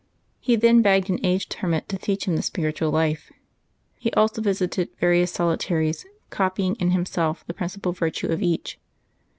He then begged an aged hermit to teach him the spiritual life. He also visited various solitaries, copying in himself the principal virtue of each.